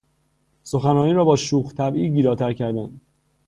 سخنرانی را با شوخ طبعی گیراتر کردن